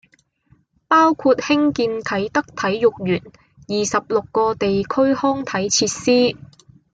包括興建啟德體育園、二十六個地區康體設施